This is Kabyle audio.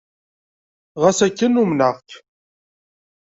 Xas akken, umneɣ-k.